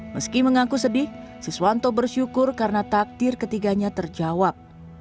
meski mengaku sedih siswanto bersyukur karena takdir ketiganya terjawab